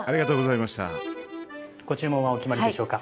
ご注文はお決まりでしょうか？